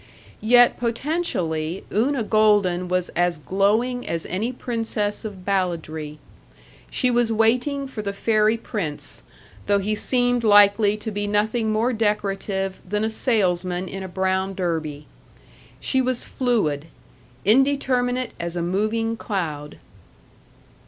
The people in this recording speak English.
Yet, potentially, Una Golden was as glowing as any princess of balladry. She was waiting for the fairy prince, though he seemed likely to be nothing more decorative than a salesman in a brown derby. She was fluid; indeterminate as a moving cloud.